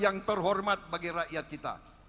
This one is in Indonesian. yang terhormat bagi rakyat kita